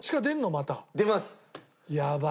また。出ます！